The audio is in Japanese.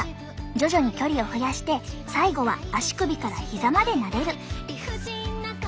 徐々に距離を増やして最後は足首からひざまでなでる。